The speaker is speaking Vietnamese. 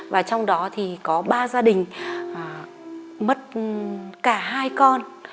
và trong đó thì có ba gia đình mất cả hai con